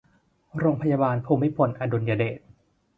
โรงพยาบาลภูมิพลอดุลยเดช